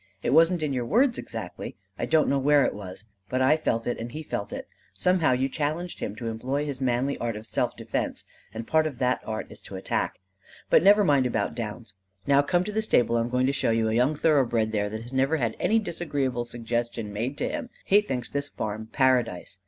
It wasn't in your words exactly; I don't know where it was; but I felt it and he felt it: somehow you challenged him to employ his manly art of self defence; and part of that art is to attack. But never mind about Downs. Now come to the stable: I am going to show you a young thoroughbred there that has never had a disagreeable suggestion made to him: he thinks this farm paradise.